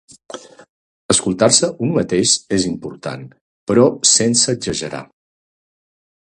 Escoltar-se un mateix és important, però sense exagerar.